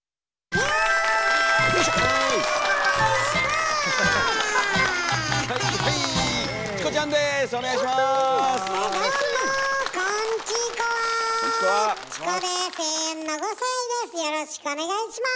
よろしくお願いします！